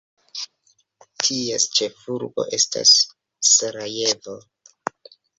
Ties ĉefurbo estas Sarajevo.